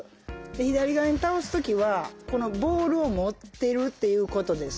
左側に倒すときはこのボールを持ってるっていうことでですね